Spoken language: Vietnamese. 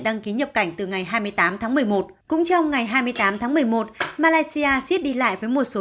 đăng ký nhập cảnh từ ngày hai mươi tám tháng một mươi một cũng trong ngày hai mươi tám tháng một mươi một malaysia siết đi lại với một số